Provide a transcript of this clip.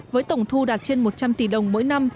với tổng thu đạt trên một trăm linh tỷ đồng